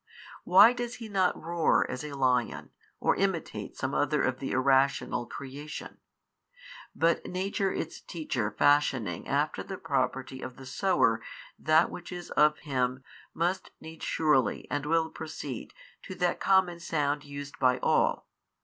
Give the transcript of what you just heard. why does he not roar as a lion or imitate some other of the irrational creation? But nature its teacher fashioning after the property of the sower that which is of him must needs surely and will proceed to that common sound used by all.